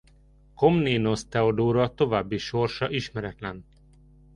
Komnénosz Teodóra további sorsa ismeretlen.